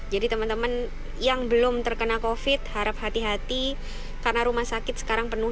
jadi teman teman yang belum terkena covid sembilan belas harap hati hati karena rumah sakit sekarang penuh